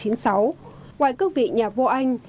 ngoài các vị nhà vua anh